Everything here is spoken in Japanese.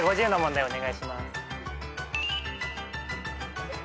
お願いします。